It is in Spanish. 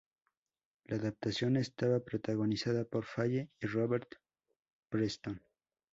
La adaptación estaba protagonizada por Faye y Robert Preston.